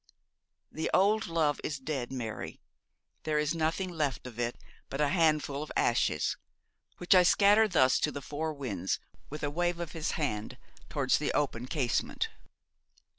'The old love is dead, Mary. There is nothing left of it but a handful of ashes, which I scatter thus to the four winds,' with a wave of his hand towards the open casement.